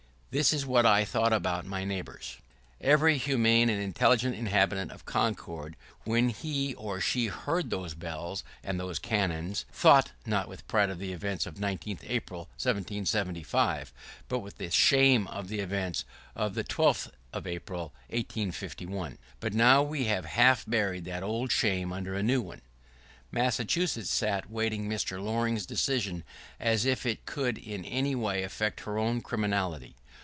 [¶13] This is what I thought about my neighbors. [¶14] Every humane and intelligent inhabitant of Concord, when he or she heard those bells and those cannons, thought not with pride of the events of the 19th of April, 1775, but with shame of the events of the 12th of April, 1851. But now we have half buried that old shame under a new one. [¶15] Massachusetts sat waiting Mr. Loring's decision, as if it could in any way affect her own criminality.